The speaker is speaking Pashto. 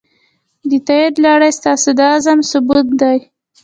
د تایید لړۍ ستاسو د عزم ثبوت دی.